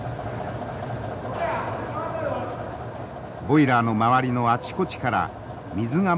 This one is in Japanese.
ボイラーの周りのあちこちから水が漏れ始めました。